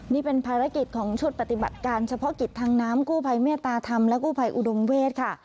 นี่เป็นภารกิจของชุดปฏิบัติการเฉพาะกิจทางน้ำกู้ภัยเมตตาธรรมและกู้ภัยอุดมเวศค่ะ